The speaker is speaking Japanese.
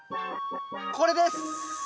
これです。